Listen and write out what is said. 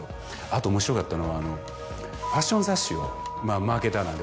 あと面白かったのはファッション雑誌をマーケターなんで。